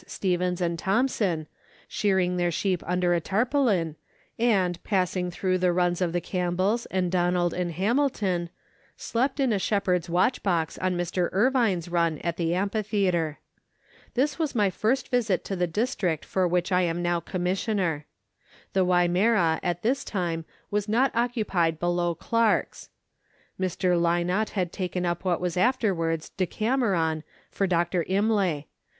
Stevens and Thomson, shearing their sheep under a tarpaulin, and, passing through the runs of the Campbells and Donald & Hamilton, slept in a shepherd's watch box on Mr. Irvine's run at the Amphitheatre. This was my first visit to the district for which I am now Commissioner. The Wimmera at this time was not occupied below Clarke's. Mr. Lynott had taken up what was afterwards " Decameron " for Dr. Imlay.